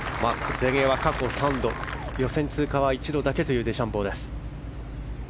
全英は過去３度予選通過は１度だけというデシャンボー。